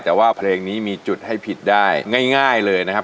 แต่ว่าเพลงนี้มีจุดให้ผิดได้ง่ายเลยนะครับ